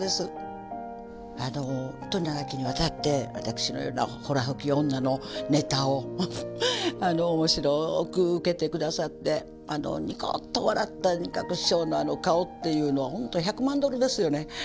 あのほんとに長きにわたって私のようなほら吹き女のネタを面白くウケて下さってニコッと笑った仁鶴師匠のあの顔っていうのはほんと１００万ドルですよね。